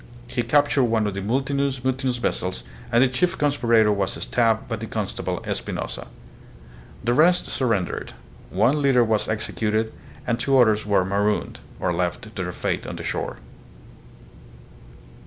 He cap tured one of the mutinous vessels, and the chief conspirator was stabbed by the constable, Espinosa. The rest sur rendered; one leader was executed and two others were " marooned," or left to their fate on the shore.